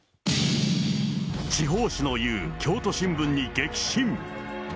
地方紙の雄、京都新聞に激震。